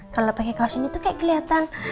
kalau pakai kaos ini tuh kayak kelihatan